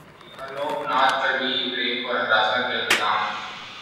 سنسکاری الوک ناتھ پر بھی ریپ اور ہراساں کرنے کا الزام